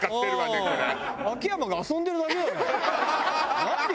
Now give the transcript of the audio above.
秋山が遊んでるだけじゃない。